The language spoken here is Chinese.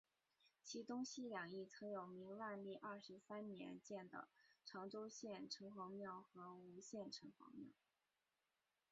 其东西两翼曾有明万历二十三年建的长洲县城隍庙和吴县城隍庙。